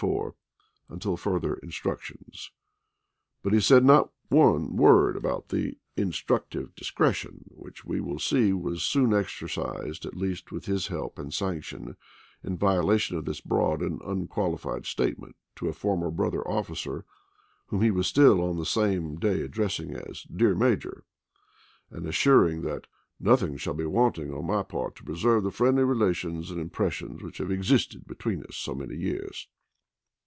■ fore, until further instructions "; but he said not one word about the " instructive discretion," which we will see was soon exercised at least with his help and sanction, in violation of this broad and unqualified statement to a former brother officer whom he was still on the same day addressing as "Dear Major," and assuring that "nothing shall ga^d^t^^An Tt>e wanting on my part to preserve the friendly re ApriiTlisei. lations and impressions which have existed between W. E. Vol. „„ I., p. 247. us lor so many years."